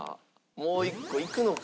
もう１個いくのか？